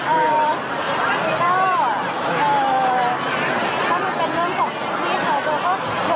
เอ่อเอ่อถ้ามันเป็นเรื่องของพี่เขา